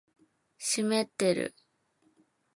湿ってる